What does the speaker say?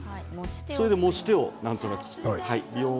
それで持ち手をなんとなく作る。